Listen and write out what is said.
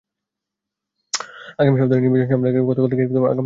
আগামী সপ্তাহের নির্বাচন সামনে রেখে গতকাল থেকে আগাম ভোট গ্রহণ শুরু হয়।